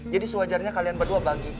jadi sewajarnya kalian berdua bagi